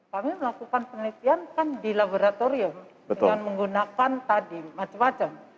kami melakukan penelitian kan di laboratorium dengan menggunakan tadi macam macam